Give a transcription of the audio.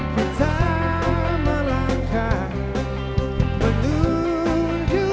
karena kemenangan masih terjunju